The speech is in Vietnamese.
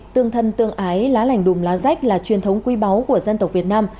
tương thân tương ái lá lành đùm lá rách là truyền thống quý báu của dân tộc việt nam